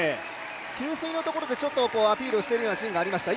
給水のところでちょっとアピールしているようなシーンがありました。